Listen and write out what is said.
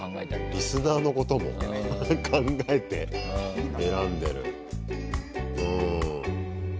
リスナーのことも考えて選んでる。